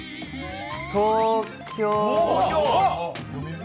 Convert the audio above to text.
東京。